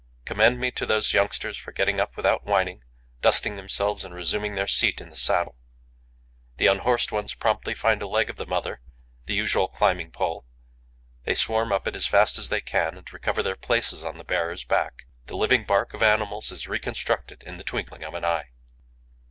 Commend me to those youngsters for getting up without whining, dusting themselves and resuming their seat in the saddle! The unhorsed ones promptly find a leg of the mother, the usual climbing pole; they swarm up it as fast as they can and recover their places on the bearer's back. The living bark of animals is reconstructed in the twinkling of an eye.